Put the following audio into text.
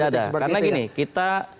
tidak ada karena gini kita